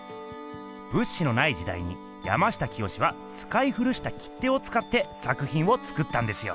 物資のない時代に山下清はつかい古した切手をつかってさくひんをつくったんですよ。